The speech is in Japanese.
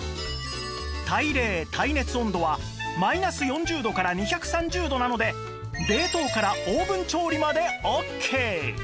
耐冷・耐熱温度はマイナス４０度から２３０度なので冷凍からオーブン調理までオッケー！